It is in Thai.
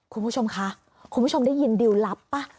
คุณผู้ชมคะคุณผู้ชมได้ยินดิวลับป่ะ